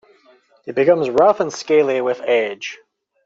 It becomes rough and scaly with age.